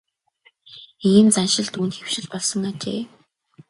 Ийм заншил түүнд хэвшил болсон ажээ.